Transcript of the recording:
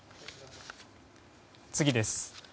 次です。